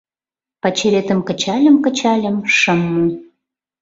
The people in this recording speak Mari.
Пачеретым кычальым-кычальым — шым му.